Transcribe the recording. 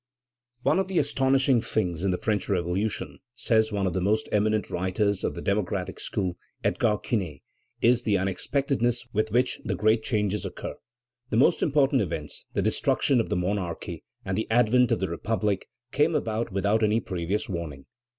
"One of the astonishing things in the French Revolution," says one of the most eminent writers of the democratic school, Edgar Quinet, "is the unexpectedness with which the great changes occur. The most important events, the destruction of the monarchy and the advent of the Republic, came about without any previous warning."